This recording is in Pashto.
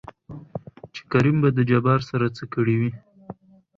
چې کريم به د جبار سره څه کړې وي؟